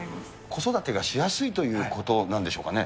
子育てがしやすいということなんでしょうかね。